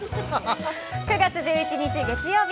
９月１１日月曜日。